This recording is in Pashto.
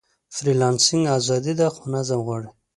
فریلانسنګ ازادي ده، خو نظم غواړي.